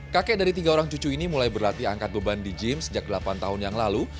kakek dari tiga orang cucu ini mulai berlatih angkat beban di gym sejak delapan tahun yang lalu